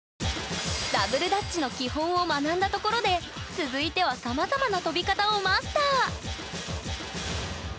ダブルダッチの基本を学んだところで続いてはさまざまな跳び方をマスター！